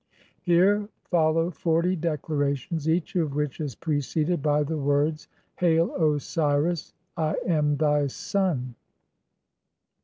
[Here follow forty declarations each of which is preceded bv the words "Hail, Osiris, I am thy son".